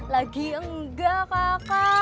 lagi enggak pak